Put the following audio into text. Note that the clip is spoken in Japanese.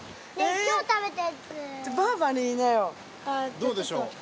どうでしょう？